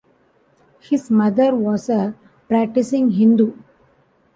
His mother was a practicing Hindu.